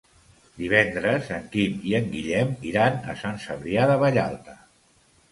Divendres en Quim i en Guillem iran a Sant Cebrià de Vallalta.